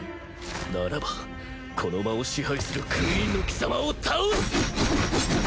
ならばこの場を支配するクイーンの貴様を倒す！